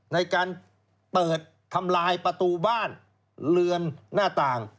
ในการเปิดทำลายประตูบ้านเรือนหน้าต่าง